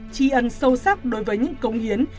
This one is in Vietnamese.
tri ân sâu sắc đối với những cống hiến